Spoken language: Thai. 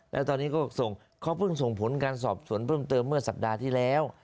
แล้วตอนนี้ก็ส่งเขาเพิ่งส่งผลการสอบสวนเพิ่มเติมเมื่อสัปดาห์ที่แล้ว